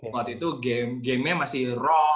waktu itu gamenya masih roll